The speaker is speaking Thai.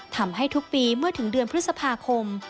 ทำให้ทุกปีเมื่อถึงเดือนพฤษภาคม